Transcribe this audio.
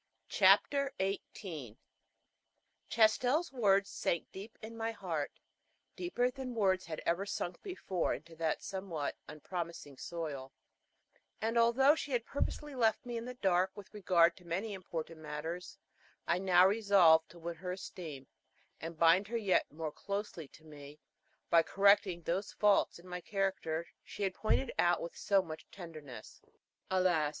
Chapter 18 Chastel's words sank deep in my heart deeper than words had ever sunk before into that somewhat unpromising soil; and although she had purposely left me in the dark with regard to many important matters, I now resolved to win her esteem, and bind her yet more closely to me by correcting those faults in my character she had pointed out with so much tenderness. Alas!